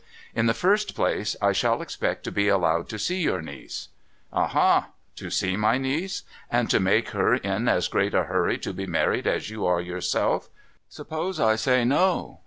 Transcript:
In the first place, I shall expect to be allowed to see your niece.' ' Aha ! to see my niece ? and to make her in as great a hurry to be married as you are yourself? Suppose I say, No